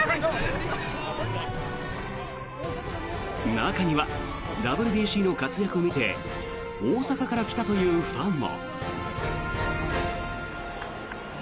中にはＷＢＣの活躍を見て大阪から来たというファンも。